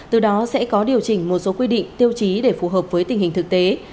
từ đó sẽ có điều chỉnh một số quy định tiêu chí để phù hợp với tình hình thực tế